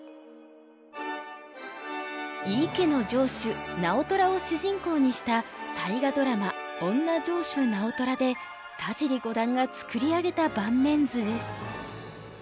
井伊家の城主直虎を主人公にした大河ドラマ「おんな城主直虎」で田尻五段が作り上げた盤面図です。